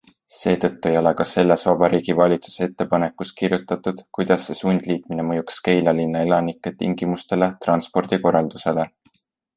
Seetõttu ei ole ka selles vabariigi valitsuse ettepanekus kirjutatud, kuidas see sundliitmine mõjuks Keila linna elanike tingimustele, transpordikorraldusele.